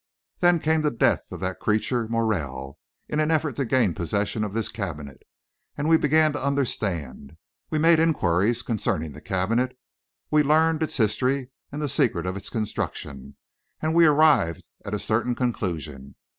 Then came the death of that creature Morel, in an effort to gain possession of this cabinet, and we began to understand. We made inquiries concerning the cabinet; we learned its history, and the secret of its construction, and we arrived at a certain conclusion.